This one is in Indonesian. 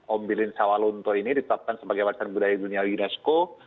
om bilin sawalunto ini ditetapkan sebagai warisan budaya dunia unesco